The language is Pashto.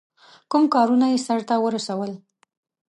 کوم کارونه یې سرته ورسول.